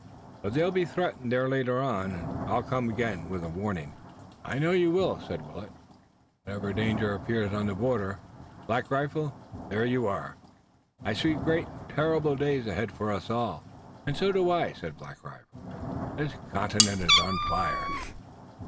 But they'll be threatened there later on, and I'll come again with a warning." "I know you will," said Willet. "Wherever danger appears on the border, Black Rifle, there you are. I see great and terrible days ahead for us all." "And so do I," said Black Rifle. "This continent is on fire."